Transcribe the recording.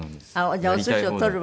じゃあお寿司を取るわけ？